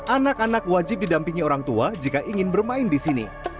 anak anak wajib didampingi orang tua jika ingin bermain di sini